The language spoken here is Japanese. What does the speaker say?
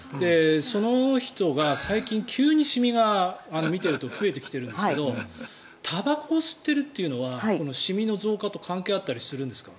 その人が最近、急にシミが見てると増えてきてるんですけどたばこを吸っているというのはシミの増加と関係あったりするんですか？